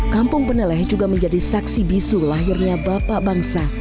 kampung peneleh juga menjadi saksi bisu lahirnya bapak bangsa